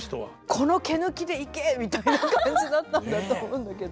「この毛抜きでいけ」みたいな感じだったんだと思うんだけど。